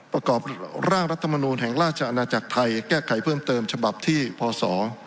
ประกอบร่างรัฐมนูลแห่งราชอาณาจักรไทยแก้ไขเพิ่มเติมฉบับที่พศ